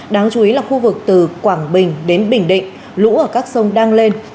đáng chú ý là khu vực từ quảng bình đến bình định lũ ở các sông đang lên